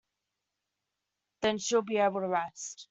Then she’ll be able to rest.